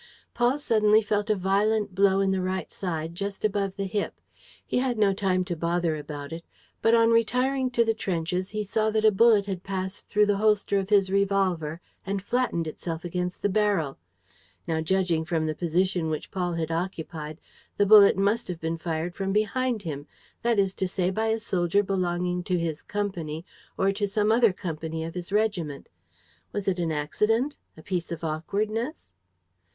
Paul suddenly felt a violent blow in the right side, just above the hip. He had no time to bother about it. But, on retiring to the trenches, he saw that a bullet had passed through the holster of his revolver and flattened itself against the barrel. Now, judging from the position which Paul had occupied, the bullet must have been fired from behind him; that is to say, by a soldier belonging to his company or to some other company of his regiment. Was it an accident? A piece of awkwardness?